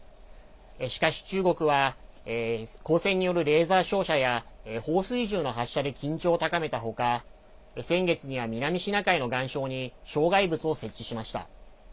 しかし、中国は光線によるレーザー放射や放水銃の発射で緊張を高めた他先月には南シナ海の岩礁に障害物を設置しました。